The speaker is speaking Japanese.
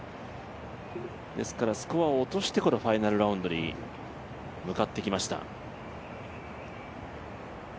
ですからスコアを落としてこのファイナルラウンドに向かってきました。